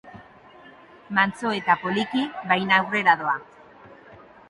Mantso eta poliki, baina aurrera doa.